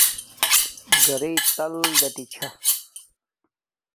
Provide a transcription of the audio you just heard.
گھرݵ تل کاٹݵ چھا